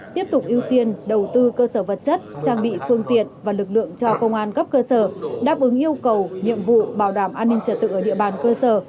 tiếp tục ưu tiên đầu tư cơ sở vật chất trang bị phương tiện và lực lượng cho công an cấp cơ sở đáp ứng yêu cầu nhiệm vụ bảo đảm an ninh trật tự ở địa bàn cơ sở